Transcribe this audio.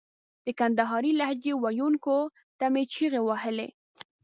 د کندهارۍ لهجې ویونکو ته مې چیغې وهلې.